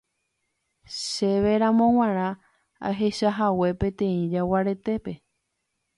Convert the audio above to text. Chéveramo g̃uarã ahechahague peteĩ jaguarete